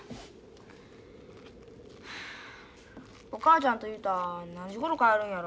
お母ちゃんと雄太何時ごろ帰るんやろ？